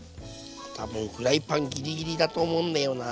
多分フライパンギリギリだと思うんだよな